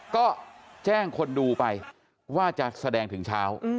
ก็แจ้งคนดูไปว่าจะแสดงถึงเช้า